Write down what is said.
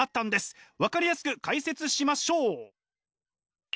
分かりやすく解説しましょう。